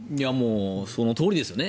そのとおりですよね。